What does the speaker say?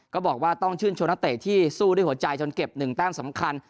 ก็บอกว่าต้องชื่นชมนักเตะที่สู้ด้วยหัวใจจนเก็บ๑แต้มสำคัญ